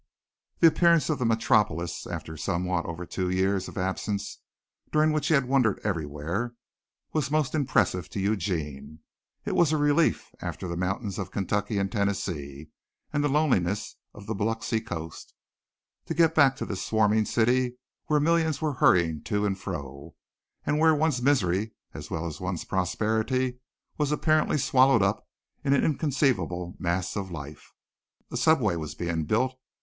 The appearance of the metropolis, after somewhat over two years of absence during which he had wandered everywhere, was most impressive to Eugene. It was a relief after the mountains of Kentucky and Tennessee and the loneliness of the Biloxi coast, to get back to this swarming city where millions were hurrying to and fro, and where one's misery as well as one's prosperity was apparently swallowed up in an inconceivable mass of life. A subway was being built.